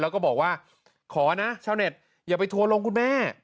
แล้วก็บอกว่าขอนะชาวเน็ตอย่าไปทัวร์ลงคุณแม่